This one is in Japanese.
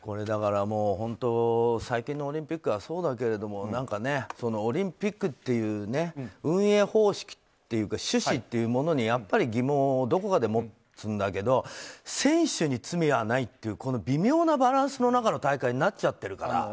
だから、最近のオリンピックはそうだけれどもオリンピックっていう運営方式っていうか趣旨というものに疑問をどこかで持つんだけど選手に罪はないっていうこの微妙なバランスの中の大会になっちゃってるから。